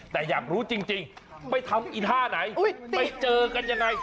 แต่อยากรู้จริงไปทำอีท่าไหนไปเจอกันยังไง